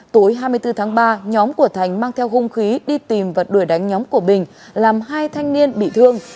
tối hai mươi bốn tháng ba nhóm của thành mang theo hung khí đi tìm và đuổi đánh nhóm của bình làm hai thanh niên bị thương